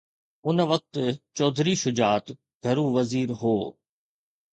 ان وقت چوڌري شجاعت گهرو وزير هو.